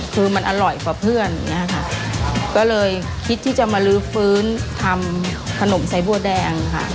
คือมันอร่อยกว่าเพื่อนอย่างเงี้ยค่ะก็เลยคิดที่จะมาลื้อฟื้นทำขนมใส่บัวแดงค่ะ